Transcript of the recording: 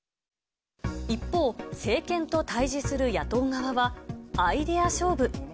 一方、政権と対じする野党側は、アイデア勝負。